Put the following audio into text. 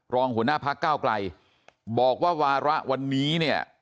รองหัวหน้าพักเก้าไกลบอกว่าวาระวันนี้เนี่ย